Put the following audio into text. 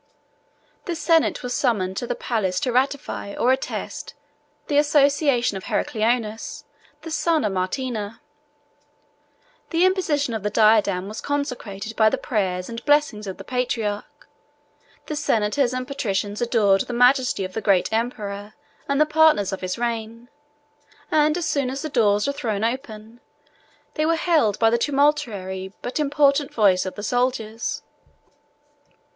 The senate was summoned to the palace to ratify or attest the association of Heracleonas, the son of Martina: the imposition of the diadem was consecrated by the prayer and blessing of the patriarch; the senators and patricians adored the majesty of the great emperor and the partners of his reign; and as soon as the doors were thrown open, they were hailed by the tumultuary but important voice of the soldiers.